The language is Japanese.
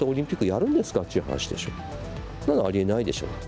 そんなのありえないでしょ。